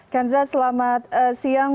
kanza selamat siang